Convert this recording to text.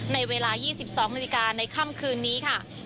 ในเวลา๒๒นาทีในค่ำคืนนี้